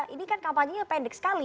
ini kan kampanyenya pendek sekali